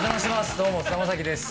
どうも菅田将暉です。